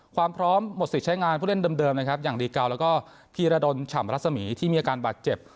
ความพร้อมหมดสิทธิ์ใช้งานผู้เล่นเดิมนะครับอย่างดีเกาแล้วก็พีรดลฉ่ำรัศมีที่มีอาการบาดเจ็บ